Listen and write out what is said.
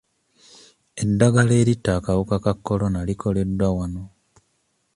Eddagala eritta akawuka ka Corona likoleddwa wano.